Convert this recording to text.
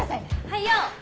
はいよ！